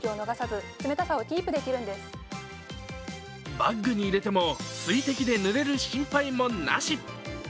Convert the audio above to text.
バッグに入れても水滴でぬれる心配もなし。